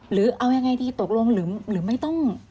หรือเอายังไงดีตกลงหรือไม่ต้อง